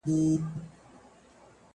نه لحاظ کړي د قاضیانو کوټوالانو-